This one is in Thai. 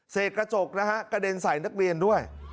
กระจกนะฮะกระเด็นใส่นักเรียนด้วย